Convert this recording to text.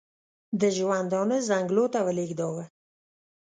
د ژوندانه څنګلو ته ولېږداوه.